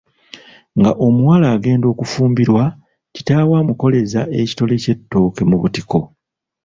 Nga omuwala agenda okufumbirwa kitaawe amukoleza ekitole ky’ettooke mu butiko.